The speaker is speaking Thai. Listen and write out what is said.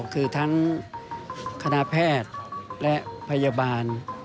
คือทั้งคณะแพทย์และพยาบาล